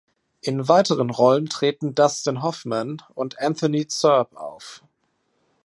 In weiteren Rollen treten Dustin Hoffman und Anthony Zerbe auf.